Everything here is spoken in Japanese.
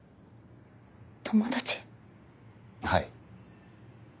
はい。